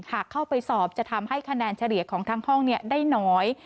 หากเข้าไปสอบจะทำให้คะแนนเฉลี่ยของทั้งห้องได้น้อย